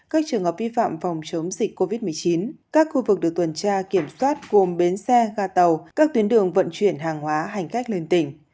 các khu vực được tuần tra kiểm soát gồm bến xe ga tàu các tuyến đường vận chuyển hàng hóa hành khách lên tỉnh